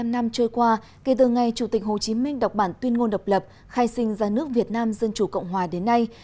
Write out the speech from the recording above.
bảy mươi năm năm trôi qua kể từ ngày chủ tịch hồ chí minh đọc bản tuyên ngôn độc lập khai sinh ra nước việt nam dân chủ cộng hòa đến nay